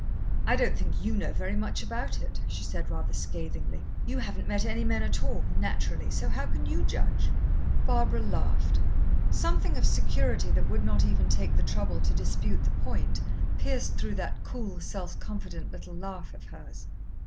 "I don't think you know very much about it," she said rather scathingly. "You haven't met any men at all, naturally, so how can you judge?" Barbara laughed. Something of security that would not even take the trouble to dispute the point, pierced through that cool, self confident little laugh of hers.